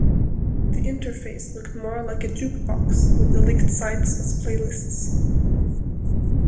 The interface looked more like a "jukebox" with the linked sites as playlists.